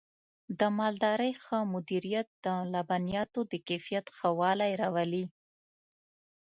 د مالدارۍ ښه مدیریت د لبنیاتو د کیفیت ښه والی راولي.